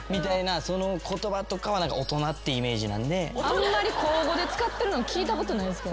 あんまり口語で使ってるの聞いたことないですけどね。